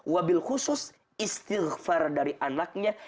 wabil khusus istighfar dari anaknya